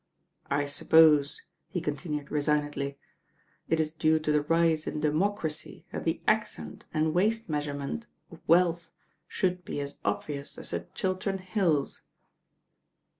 I suppose," he continued resignedly, "it is due to the rise in democracy that the accent and waist measurement of wealth should be as obvious as the Chiltern Hills."